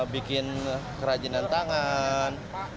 bikin kerajinan tangan